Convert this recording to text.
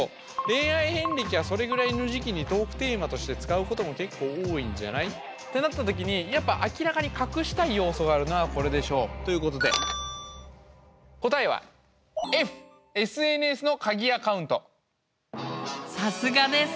恋愛遍歴はそれぐらいの時期にトークテーマとして使うことも結構多いんじゃない？ってなった時にやっぱ明らかに隠したい要素があるのはこれでしょう。ということで答えはさすがです。